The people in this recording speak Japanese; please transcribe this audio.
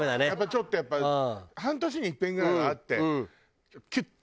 ちょっとやっぱり半年にいっぺんぐらいは会って。